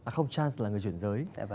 không chance là người chuyển giới